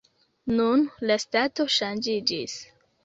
Nun la stato ŝanĝiĝis.